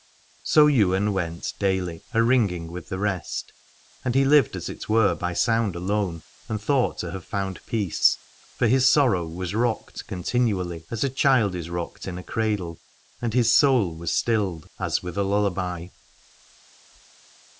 So Ywain went daily aringing with the rest : and he lived as it were by sound alone and thought to have found peace. For his sorrow was rocked continually as a child is rocked in a cradle, and his soul was stilled as with a lullaby.